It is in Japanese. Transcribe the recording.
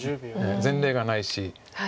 前例がないし。